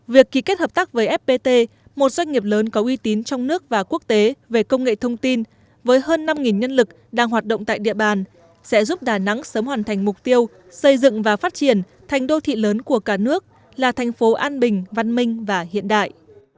việc ký kết hợp tác với fpt một doanh nghiệp lớn có uy tín trong nước và quốc tế về công nghệ thông tin với hơn năm nhân lực đang hoạt động tại địa bàn sẽ giúp đà nẵng sớm hoàn thành mục tiêu xây dựng và phát triển thành đô thị lớn của cả nước là thành phố an bình văn minh và hiện đại